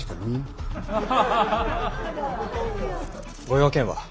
ご用件は。